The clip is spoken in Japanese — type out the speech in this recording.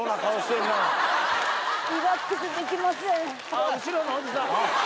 あっ後ろのおじさん！